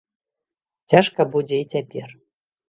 Цяжка будзе і цяпер.